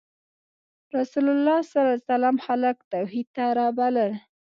رسول الله ﷺ خلک توحید ته رابلل.